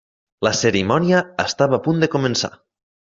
La cerimònia estava a punt de començar!